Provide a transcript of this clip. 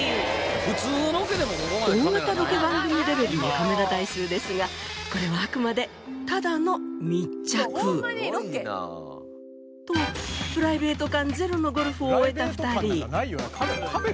大型ロケ番組レベルのカメラ台数ですがこれはあくまでただの密着。とプライベート感ゼロのゴルフを終えた２人。